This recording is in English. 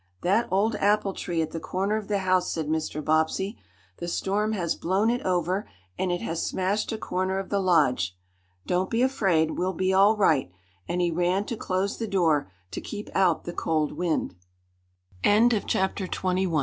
"That old apple tree, at the corner of the house," said Mr. Bobbsey. "The storm has blown it over, and it has smashed a corner of the Lodge. Don't be afraid. We'll be all right," and he ran to close the door, to keep out the cold wind. CHAPTER XXII THE MISSING MONEY "What happened?"